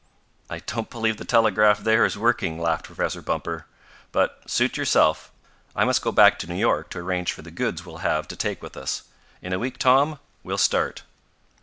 "I don't believe the telegraph there is working," laughed Professor Bumper. "But suit yourself. I must go back to New York to arrange for the goods we'll have to take with us. In a week, Tom, we'll start."